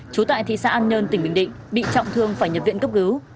trú tại thị xã an nhơn tỉnh bình định bị trọng thương phải nhập viện cấp cứu